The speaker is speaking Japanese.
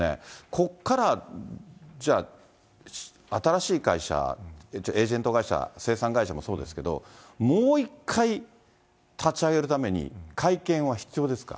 ここからじゃあ、新しい会社、エージェント会社、清算会社もそうですけど、もう一回、立ち上げるために、会見は必要ですか。